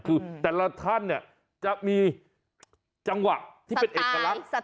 คือแต่ละท่านเนี่ยจะมีจังหวะที่เป็นเอกลักษณ์